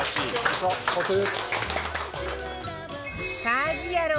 『家事ヤロウ！！！』